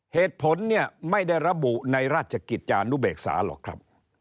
เหตุผลเนี่ยไม่ได้ระบุในราชกิจจานุเบกษาหรอกครับ